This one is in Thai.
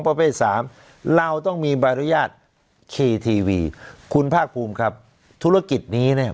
ประเภทสามเราต้องมีใบอนุญาตคีย์ทีวีคุณภาคภูมิครับธุรกิจนี้เนี่ย